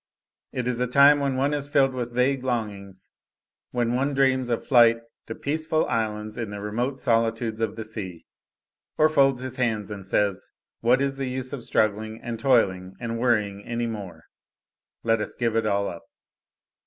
It is a time when one is filled with vague longings; when one dreams of flight to peaceful islands in the remote solitudes of the sea, or folds his hands and says, What is the use of struggling, and toiling and worrying any more? let us give it all up.